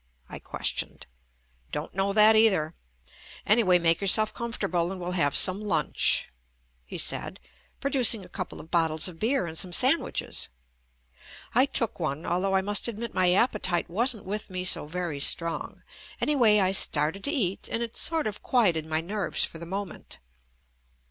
I ques tioned. "Don't know that either. Anyway, make yourself comfortable and we'll have some lunch," he said, producing a couple of bottles of beer and some sandwiches. I took one, al though I must admit my appetite wasn't with me so very strong. Anyway I started to eat, and it sort of quieted my nerves for the mo ment.